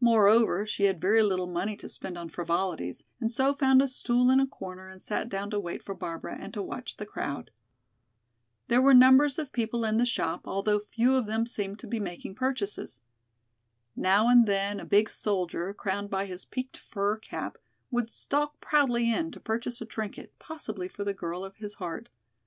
Moreover, she had very little money to spend on frivolities, and so found a stool in a corner and sat down to wait for Barbara and to watch the crowd. There were numbers of people in the shop, although few of them seemed to be making purchases. Now and then a big soldier, crowned by his peaked fur cap, would stalk proudly in to purchase a trinket, possibly for the girl of his heart.